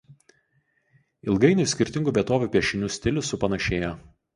Ilgainiui skirtingų vietovių piešinių stilius supanašėjo.